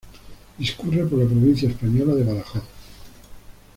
Discurre por la provincia española de Badajoz.